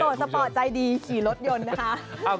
สปอร์ตใจดีขี่รถยนต์นะคะ